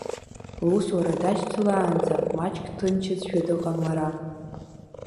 Лусура дашьцылаанӡа, маҷк дҭынчызшәа дыҟан лара.